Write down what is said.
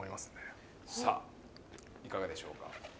気いかがでしょうか？